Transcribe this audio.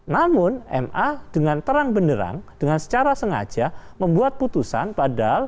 namun ma dengan terang benderang dengan secara sengaja membuat putusan padahal